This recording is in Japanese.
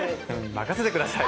任せて下さい！